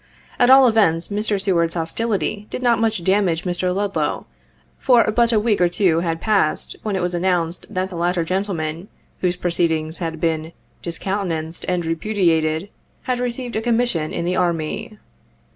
At all events, Mr. Seward's hostility did not much damage Mr. Ludlow, for but a week or two had passed, when it was announced that the latter gentleman, whose proceedings had been "discountenanced and repu diated," had received a commission in the Army.